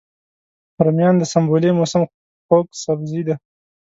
رومیان د سنبلې موسم خوږ سبزی دی